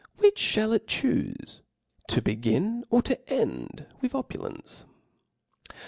Which (hall it chufe ; to b^in, or to end with opulence ?